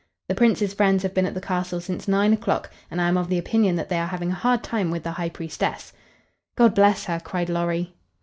"The Prince's friends have been at the castle since nine o'clock, and I am of the opinion that they are having a hard time with the High Priestess." "God bless her!" cried Lorry.